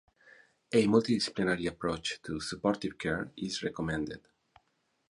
A multidisciplinary approach to supportive care is recommended.